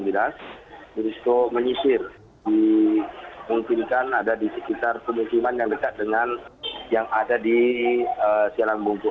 kita juga menyisir di pimpinan ada di sekitar pimpinan yang dekat dengan yang ada di sialan bungku